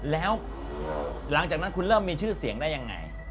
แล้วหลังจากนั้นคุณเริ่มมีชื่อเสียงได้ยังไง